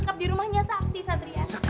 raka sekarang kita harus berantem